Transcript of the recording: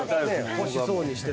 欲しそうにしてた。